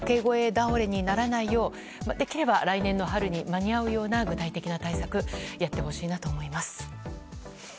倒れにならないようできれば来年の春に間に合うような具体的な対策をやってほしいなと思います。